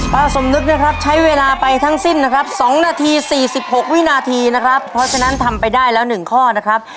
สมนึกนะครับใช้เวลาไปทั้งสิ้นนะครับ๒นาที๔๖วินาทีนะครับเพราะฉะนั้นทำไปได้แล้ว๑ข้อนะครับ